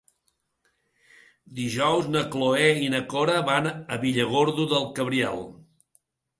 Dijous na Cloè i na Cora van a Villargordo del Cabriel.